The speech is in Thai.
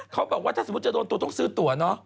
เขาบอกว่าถ้าสมมุติจะโดนตัวต้องซื้อตัวเนอะ